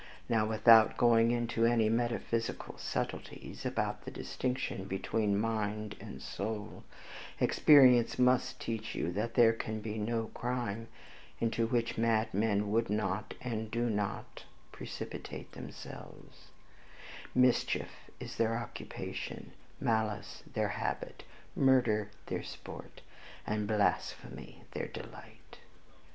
Now, without going into any metaphysical subtleties about the distinction between mind and soul, experience must teach you, that there can be no crime into which madmen would not, and do not, precipitate themselves; mischief is their occupation, malice their habit, murder their sport, and blasphemy their delight.